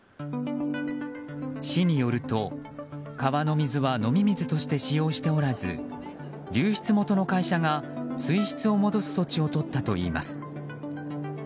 市によると川の水は飲み水として使用しておらず流出元の会社が、水質を戻す措置をとったといいます。